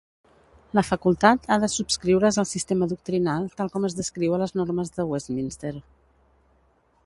La facultat ha de subscriure's al sistema doctrinal tal com es descriu a les normes de Westminster.